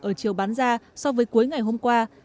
ở chiều bán ra so với cuối ngày hôm qua